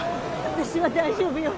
私は大丈夫よ。